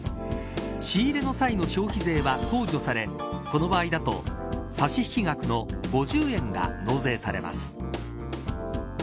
仕入れの際の消費税は控除されこの場合だと差引額の５０円が納税されます。